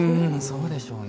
そうでしょうね。